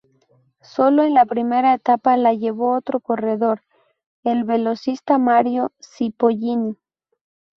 Sólo en la primera etapa la llevó otro corredor, el velocista Mario Cipollini.